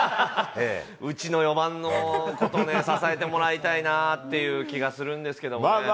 うちの４番のことを支えてもらいたいなっていう気がするんですけどね。